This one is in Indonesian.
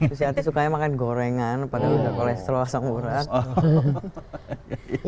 susiati sukanya makan gorengan padahal udah kolesterol langsung murah